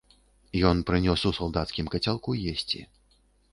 Ён прынёс у салдацкім кацялку есці.